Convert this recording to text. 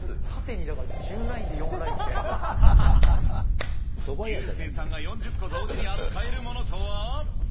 リューセーさんが４０個同時に扱えるものとは。